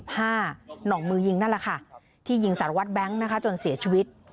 หน่องมือยิงนั่นแหละค่ะที่ยิงสารวัตรแบงค์จนเสียชีวิต